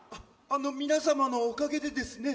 あの皆様のおかげでですね